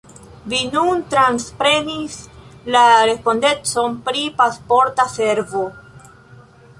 Vi nun transprenis la respondecon pri Pasporta Servo.